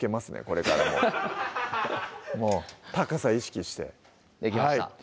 これからもう高さ意識してできました